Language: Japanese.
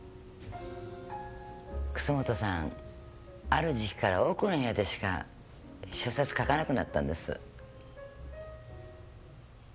楠本さんある時期から奥の部屋でしか小説書かなくなったんです。